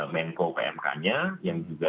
menko pmk nya yang juga